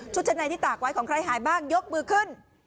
ชะในที่ตากไว้ของใครหายบ้างยกมือขึ้น